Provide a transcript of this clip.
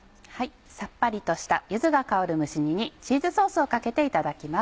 さっぱりとした柚子が香る蒸し煮にチーズソースをかけていただきます。